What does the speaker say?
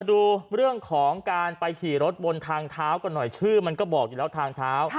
ดูเรื่องของการไปขี่รถบนทางเท้ากันหน่อยชื่อมันก็บอกอยู่แล้วทางเท้า